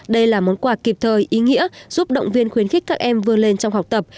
đây là món quà kịp thời ý nghĩa giúp động viên khuyến khích các em vươn lên trong học tập